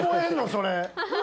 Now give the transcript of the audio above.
それ。